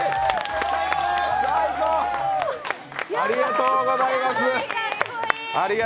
ありがとうございます。